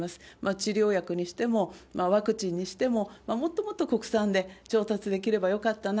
治療薬にしてもワクチンにしても、もっともっと国産で調達できればよかったな。